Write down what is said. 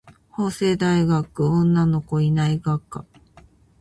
法政大学女の子いない学科